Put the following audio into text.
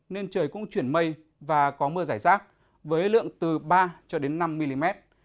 nên trời cũng chuyển mây và có mưa giải rác với lượng từ ba cho đến năm mm